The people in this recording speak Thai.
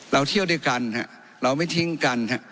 เที่ยวด้วยกันเราไม่ทิ้งกัน